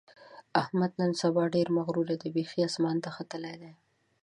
احمد نن سبا ډېر مغرور دی؛ بیخي اسمان ته ختلی دی.